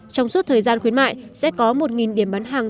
trong suốt thời gian khuyến mại sẽ có một điểm bán hàng